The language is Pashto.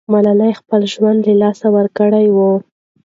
ملالۍ خپل ژوند له لاسه ورکړی وو.